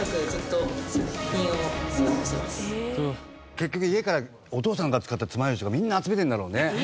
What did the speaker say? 結局家からお父さんが使ったつまようじとかみんな集めてるんだろうね。